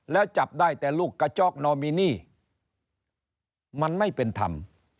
แล้วจับได้แต่ลูกกระจ๊อกนอมินีมันไม่เป็นธรรม